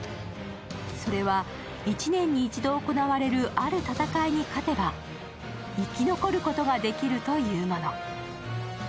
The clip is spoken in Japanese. それは１年に１度行われるある戦いに勝てば生き残ることができるというもの。